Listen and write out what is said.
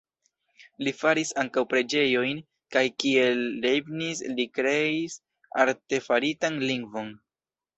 Li faris ankaŭ preĝejojn kaj kiel Leibniz li kreis artefaritan lingvon.